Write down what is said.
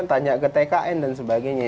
tanya ke tkn dan sebagainya